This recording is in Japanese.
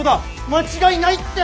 間違いないって！